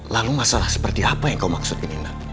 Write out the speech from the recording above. lalu masalah seperti apa yang kau maksud ini